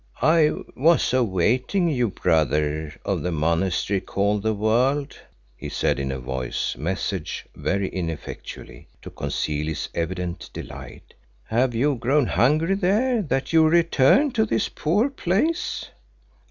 "I was awaiting you, brother of the Monastery called 'the World,'" he said in a voice, measured, very ineffectually, to conceal his evident delight. "Have you grown hungry there that you return to this poor place?"